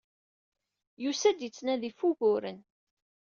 Yusa-d, yettnadi ɣef wuguren.